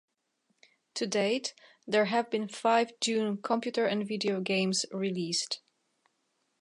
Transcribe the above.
To date, there have been five "Dune" computer and video games released.